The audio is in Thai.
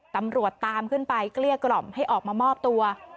ตำรวจตามขึ้นไปเกลี้ยกล่อมให้ออกมามอบตัว